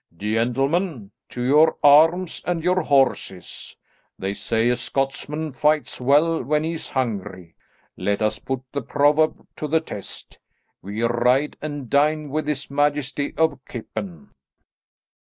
Gentlemen, to your arms and your horses! They say a Scotsman fights well when he is hungry; let us put the proverb to the test. We ride and dine with his majesty of Kippen."